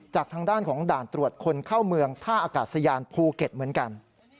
จากทางด้านของด่านตรวจคนเข้าเมืองท่าอากาศยานภูเก็ตเหมือนกัน